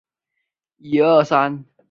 达乌里黄耆为豆科黄芪属的植物。